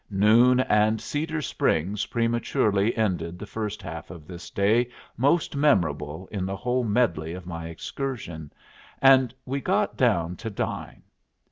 Noon and Cedar Springs prematurely ended the first half of this day most memorable in the whole medley of my excursion, and we got down to dine.